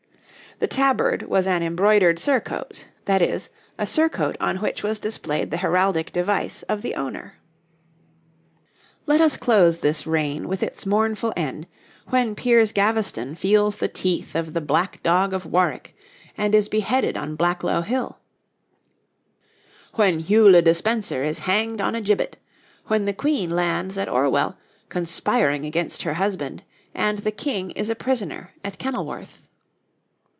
The tabard was an embroidered surcoat that is, a surcoat on which was displayed the heraldic device of the owner. Let us close this reign with its mournful end, when Piers Gaveston feels the teeth of the Black Dog of Warwick, and is beheaded on Blacklow Hill; when Hugh le Despenser is hanged on a gibbet; when the Queen lands at Orwell, conspiring against her husband, and the King is a prisoner at Kenilworth.